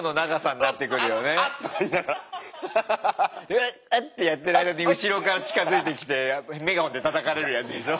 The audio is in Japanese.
「うわっあっ！」ってやってる間に後ろから近づいてきてメガホンでたたかれるやつでしょ？